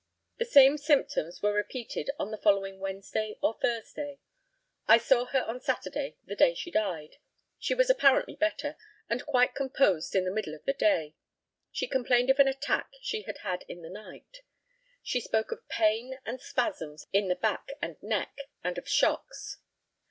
The same symptoms were repeated on the following Wednesday or Thursday. I saw her on Saturday, the day she died. She was apparently better, and quite composed in the middle of the day. She complained of an attack she had had in the night. She spoke of pain and spasms in the back and neck, and of shocks.